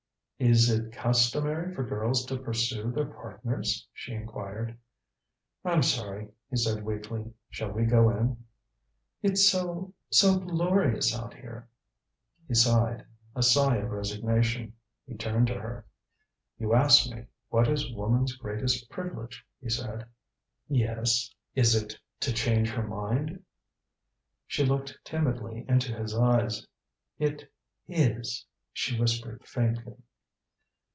"Is it customary for girls to pursue their partners?" she inquired. "I'm sorry," he said weakly. "Shall we go in?" "It's so so glorious out here." He sighed a sigh of resignation. He turned to her. "You asked me what is woman's greatest privilege," he said. "Yes." "Is it to change her mind?" She looked timidly into his eyes. "It is," she whispered faintly.